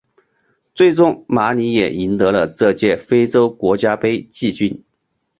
最终马里也赢得了这届非洲国家杯季军。